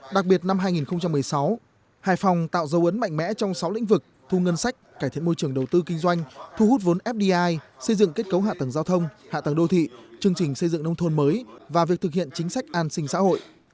đặc biệt năm hai nghìn một mươi sáu hải phòng tạo dấu ấn mạnh mẽ trong sáu lĩnh vực thu ngân sách cải thiện môi trường đầu tư kinh doanh thu hút vốn fdi xây dựng kết cấu hạ tầng giao thông hạ tầng đô thị chương trình xây dựng nông thôn mới và việc thực hiện chính sách an sinh xã hội